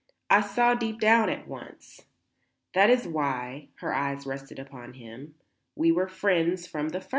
I saw deep down at once. That is why," her eyes rested upon him, "we were friends from the first."